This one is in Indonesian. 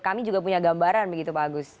kami juga punya gambaran begitu pak agus